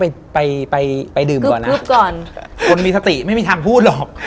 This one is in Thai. มันไม่มีสติไม่มีทางพูดหรอก